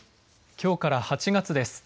きょうから８月です。